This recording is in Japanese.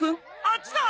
あっちだ！